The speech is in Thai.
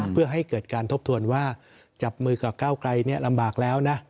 เพื่อให้เกิดการทบทวนว่าจับมือกับก้าวไกลลำบากแล้วนะ